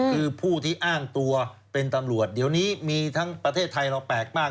คือผู้ที่อ้างตัวเป็นตำรวจเดี๋ยวนี้มีทั้งประเทศไทยเราแปลกมาก